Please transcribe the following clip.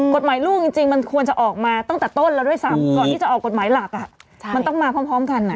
กฎหมายลูกจริงมันควรจะออกมาตั้งแต่ต้นแล้วด้วยซ้ำก่อนที่จะออกกฎหมายหลักมันต้องมาพร้อมกัน